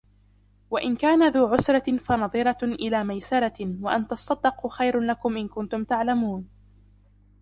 وَإِنْ كَانَ ذُو عُسْرَةٍ فَنَظِرَةٌ إِلَى مَيْسَرَةٍ وَأَنْ تَصَدَّقُوا خَيْرٌ لَكُمْ إِنْ كُنْتُمْ تَعْلَمُونَ